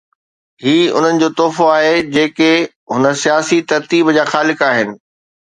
هي انهن جو تحفو آهي جيڪي هن سياسي ترتيب جا خالق آهن.